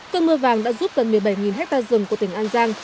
cơn mưa vàng đã rút gần một mươi bảy hectare rừng của tỉnh an giang